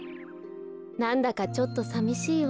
なんだかちょっとさみしいわ。